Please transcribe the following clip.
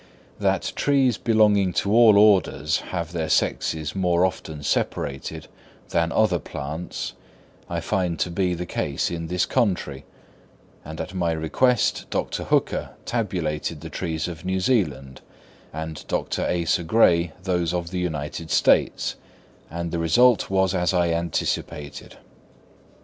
That trees belonging to all orders have their sexes more often separated than other plants, I find to be the case in this country; and at my request Dr. Hooker tabulated the trees of New Zealand, and Dr. Asa Gray those of the United States, and the result was as I anticipated.